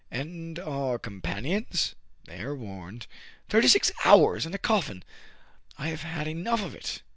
"And our companions }"" They are warned." Thirty six hours in a coffin! I have had enough of it."